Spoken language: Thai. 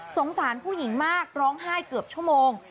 สารผู้หญิงมากร้องไห้เกือบชั่วโมง